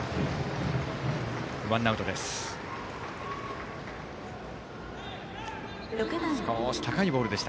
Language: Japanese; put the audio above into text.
ワンアウトです。